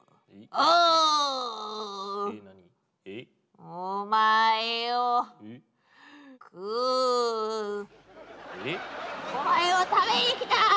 お前を食べに来た！